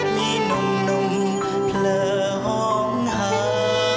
มีกลลาลาเส้อมีนมนมเพลอห่องหา